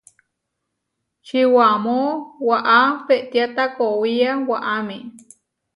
Čiwaamó waʼá peʼtiáta kowiá waʼámi.